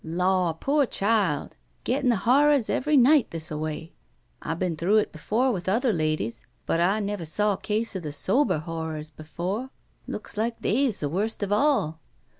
"Law! Pore child! Gettin' the horrors every night thisaway! I've been through it before with other ladies, but I never saw a case of the sober horrors befoh. Looks like they's the worst of all.